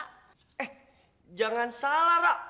eh jangan salah ra